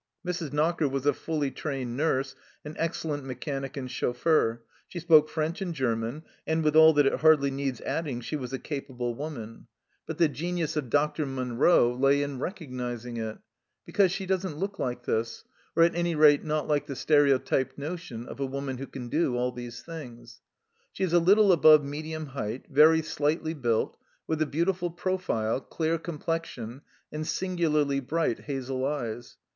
Mrs. Knocker was a fully trained nurse, an excellent mechanic and chauffeur ; she spoke French and German, and with all that it hardly needs adding she was a capable woman ; but the genius of THE START 5 Dr. Munro lay in recognizing it, because she doesn't look like this, or at any rate not like the stereo typed notion of a woman who can do all these things. She is a little above medium height, very slightly built, with a beautiful profile, clear com plexion, and singularly bright hazel eyes.